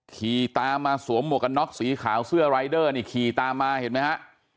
ขี่ตามมาสวมหมวกกันน็อกสีขาวเสื้อรายเดอร์นี่ขี่ตามมาเห็นไหมฮะ